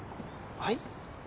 はい？